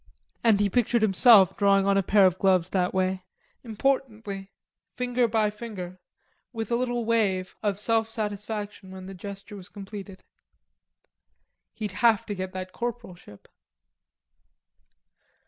And he pictured himself drawing on a pair of gloves that way, importantly, finger by finger, with a little wave, of self satisfaction when the gesture was completed.... He'd have to get that corporalship.